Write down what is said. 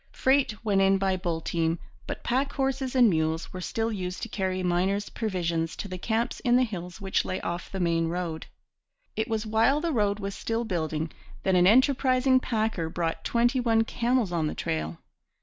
Freight went in by bull team, but pack horses and mules were still used to carry miners' provisions to the camps in the hills which lay off the main road. It was while the road was still building that an enterprising packer brought twenty one camels on the trail.